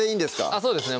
あっそうですね